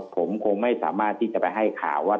ผมคงไม่สามารถที่จะไปให้ข่าวว่า